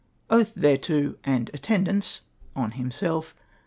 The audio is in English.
Oath thereto, and, attendance ! (on himself)